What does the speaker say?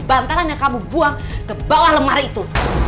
bantaran yang kamu buang ke bawah lemari itu